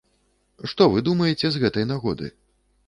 Што вы думаеце з гэтай нагоды?